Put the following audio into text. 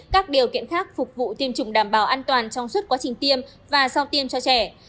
các điều kiện khác phục vụ tiêm chủng đảm bảo an toàn trong suốt quá trình tiêm và sau tiêm cho trẻ